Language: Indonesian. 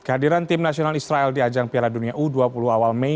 kehadiran tim nasional israel di ajang piala dunia u dua puluh awal mei